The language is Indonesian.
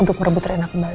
untuk merebut rena kembali